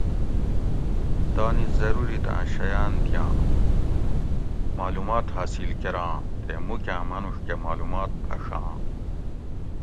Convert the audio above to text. تانی ضرورِتاۤں شیاۤن دِیاں، مالومات حاصِل کۤراں تے مُکاۤں ماۤنُوڄ کۤہ مالومات پھݭاں۔